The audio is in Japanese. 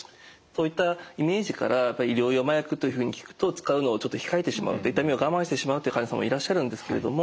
そういったイメージから医療用麻薬というふうに聞くと使うのをちょっと控えてしまう痛みを我慢してしまうって患者さんもいらっしゃるんですけれども